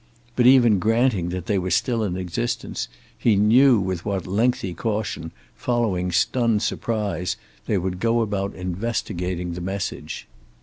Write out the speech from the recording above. But even granting that they were still in existence, he knew with what lengthy caution, following stunned surprise, they would go about investigating the message.